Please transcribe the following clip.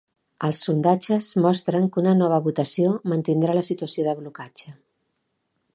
Els sondatges mostren que una nova votació mantindrà la situació de blocatge.